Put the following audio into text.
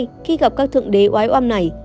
khi gặp các thượng đế oái oam này